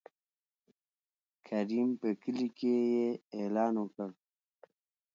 کريم په کلي کې يې اعلان وکړ.